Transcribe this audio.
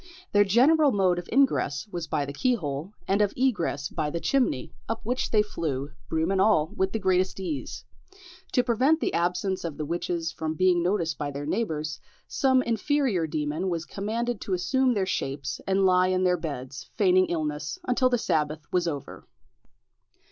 Their general mode of ingress was by the keyhole, and of egress by the chimney, up which they flew, broom and all, with the greatest ease. To prevent the absence of the witches from being noticed by their neighbours, some inferior demon was commanded to assume their shapes and lie in their beds, feigning illness, until the sabbath was over.